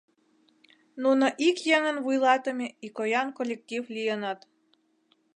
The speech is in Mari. Нуно ик еҥын вуйлатыме икоян коллектив лийыныт.